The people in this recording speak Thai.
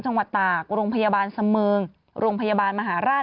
จังหวัดตากโรงพยาบาลเสมิงโรงพยาบาลมหาราช